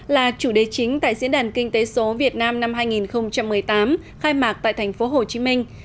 là chủ đề chính tại diễn đàn kinh tế số việt nam năm hai nghìn một mươi tám khai mạc tại thành phố hồ chí minh